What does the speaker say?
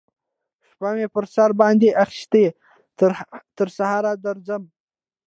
شپه می پر سر باندی اخیستې تر سهاره درځم